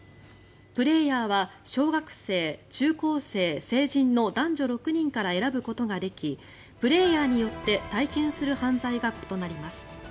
プレーヤーは小学生、中高生成人の男女６人から選ぶことができプレーヤーによって体験する犯罪が異なります。